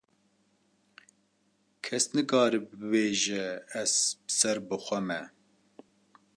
kes nikare bibêje ez ser bi xwe me.